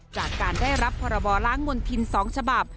จากการได้รับพรบล้างมณฑิน๒ฉบับ